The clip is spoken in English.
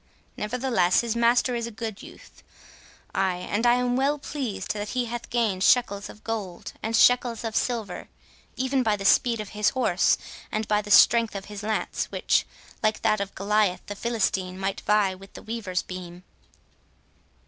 Nevertheless his master is a good youth—ay, and I am well pleased that he hath gained shekels of gold and shekels of silver, even by the speed of his horse and by the strength of his lance, which, like that of Goliath the Philistine, might vie with a weaver's beam."